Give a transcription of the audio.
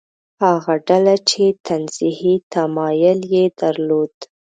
هغه ډله چې تنزیهي تمایل یې درلود.